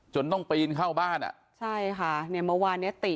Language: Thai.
จนต้องปีนเข้าบ้านอ่ะใช่ค่ะเนี่ยเมื่อวานเนี้ยติ